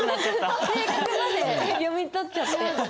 性格まで読み取っちゃって。